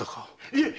いえ！